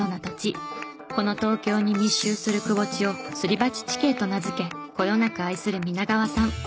この東京に密集する窪地を「スリバチ地形」と名付けこよなく愛する皆川さん。